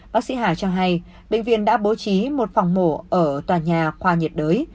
bác sĩ hà cho hay bệnh viện đã bố trí một phòng mổ ở tòa nhà khoa nhiệt đới